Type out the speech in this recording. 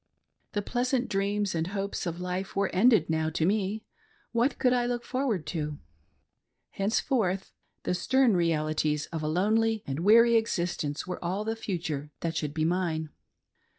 The pleasant dreams and hopes of life were ended now to me — what could I look forward to .' Henceforth the stern realities of a lonely and weary existence were all the future that should be mine.